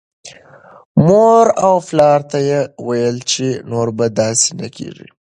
مور او پلار ته یې ویل چې نور به داسې نه کېږي.